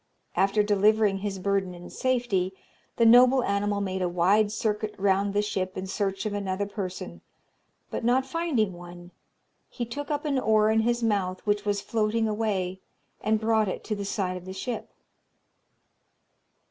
After delivering his burden in safety, the noble animal made a wide circuit round the ship in search of another person; but not finding one, he took up an oar in his mouth which was floating away, and brought it to the side of the ship.